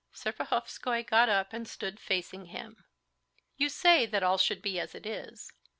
Serpuhovskoy got up and stood facing him. "You say that all should be as it is.